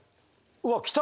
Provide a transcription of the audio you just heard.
うわっ来た！